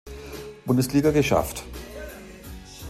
Bundesliga geschafft.